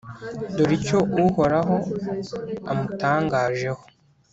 dore icyo Uhoraho amutangajeho: